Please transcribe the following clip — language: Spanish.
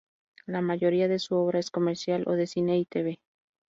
La mayoría de su obra es comercial o de cine y t.v.